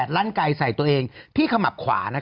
ลั่นไกลใส่ตัวเองที่ขมับขวา